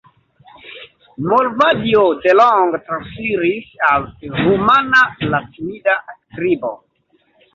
Moldavio delonge transiris al rumana latinida skribo.